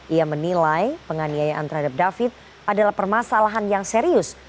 ia menilai penganiayaan terhadap david adalah permasalahan yang serius